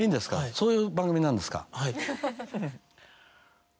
そういう番組なんですか？